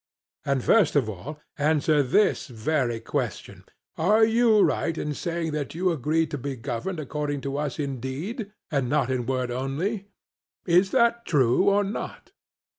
And first of all answer this very question: Are we right in saying that you agreed to be governed according to us in deed, and not in word only? Is that true or not?'